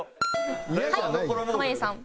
はい濱家さん。